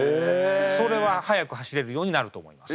それは速く走れるようになると思います。